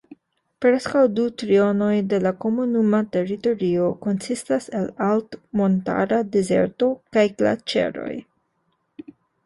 Preskaŭ du trionoj de la komunuma teritorio konsistas el altmontara dezerto kaj glaĉeroj.